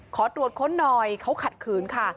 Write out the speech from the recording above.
ขอตรวจค้นหน่อยเขาขัดขืนค่ะ